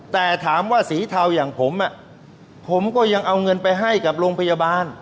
แต่ถามว่าสีเทาอย่างผมผมก็ยังเอาเงินไปให้กับโรงพยาบาล